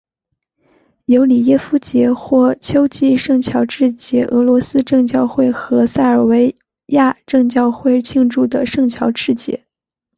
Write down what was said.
尤里耶夫节或秋季圣乔治节俄罗斯正教会和塞尔维亚正教会庆祝的圣乔治节。